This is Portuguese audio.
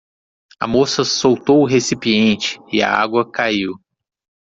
A moça soltou o recipiente? e a água caiu.